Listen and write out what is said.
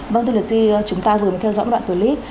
vâng thưa luật sư chúng ta vừa mới theo dõi một đoạn clip